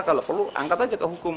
kalau perlu angkat aja ke hukum